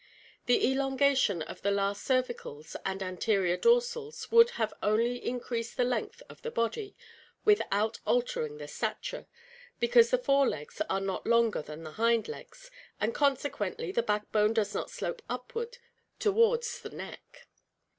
The elongation of the last cervicals and anterior dorsals would have only increased the length of the body without al tering the stature, because the fore legs are not longer than the hind legs and consequently the backbone does not slope upward towards the neck.